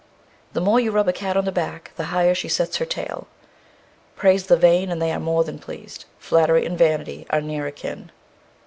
The more you rub a cat on the back, the higher she sets her tail. Praise the vain and they are more than pleased. Flattery and vanity are near akin.